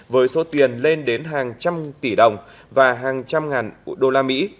với số tiền lên đến hàng trăm tỷ đồng và hàng trăm ngàn đô la mỹ